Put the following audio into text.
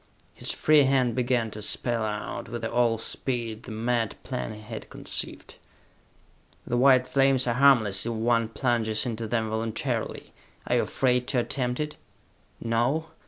His free hand began to spell out, with all speed, the mad plan he had conceived. "The white flames are harmless if one plunges into them voluntarily. Are you afraid to attempt it? No?